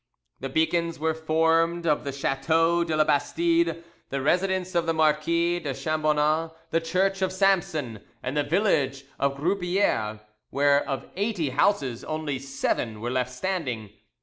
The beacons were formed of the chateau de la Bastide, the residence of the Marquis de Chambonnas, the church of Samson, and the village of Grouppieres, where of eighty houses only seven were left standing.